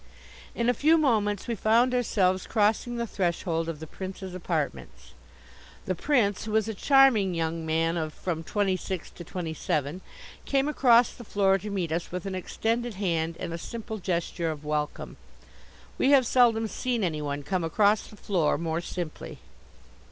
In a few moments we found ourselves crossing the threshold of the Prince's apartments. The Prince, who is a charming young man of from twenty six to twenty seven, came across the floor to meet us with an extended hand and a simple gesture of welcome. We have seldom seen anyone come across the floor more simply.